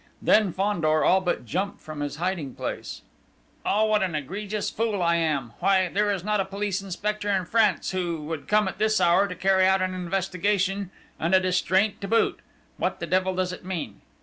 Then Fandor all but jumped from his hiding place. "Oh! What an egregious fool I am! Why, there is not a police inspector in France who would come at this hour to carry out an investigation and a distraint to boot! What the devil does it mean?